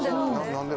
何で？